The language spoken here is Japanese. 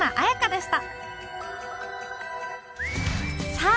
さあ